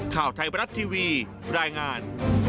ข่าวไทยบรัฐทีวีรายงาน